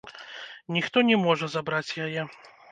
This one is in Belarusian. Ніхто не можа забраць яе.